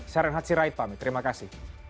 saya renhatsi raipami terima kasih